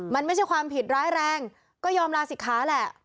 มันไม่ใช่ความผิดร้ายแรงก็ยอมลาศิกขาแหละ